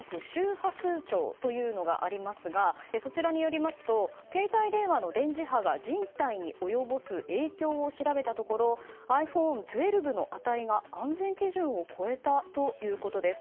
フランスには全国周波数庁というのがありますが、そちらによりますと携帯電話の電磁波が人体に及ぼす影響を調べたところｉＰｈｏｎｅ１２の値が安全基準を超えたということです。